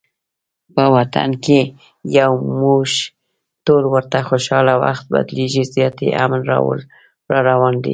په وطن کې یو موږ ټول ورته خوشحاله، وخت بدلیږي زیاتي امن راروان دي